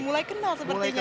mulai kenal sepertinya ya